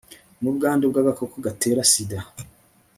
n'ubwandu bw'agakoko gatera sida